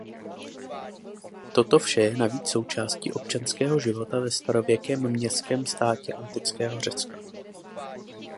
Toto vše je navíc součástí občanského života ve starověkém městském státě antického Řecka.